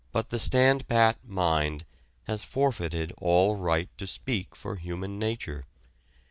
But the stand pat mind has forfeited all right to speak for human nature.